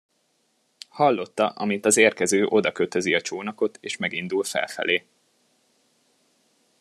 Hallotta, amint az érkező odakötözi a csónakot, és megindul felfelé.